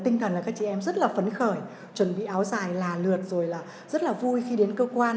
tinh thần là các chị em rất là phấn khởi chuẩn bị áo dài là lượt rồi là rất là vui khi đến cơ quan